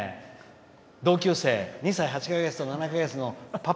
同級生、２歳８か月と７か月のパパ。